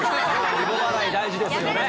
リボ払い、大事ですよね。